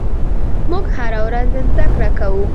موږ هره ورځ زدهکړه کوو.